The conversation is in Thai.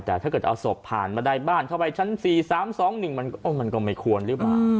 แต่ถ้าเกิดเอาศพผ่านมาได้บ้านเข้าไปชั้น๔๓๒๑มันก็ไม่ควรหรือเปล่า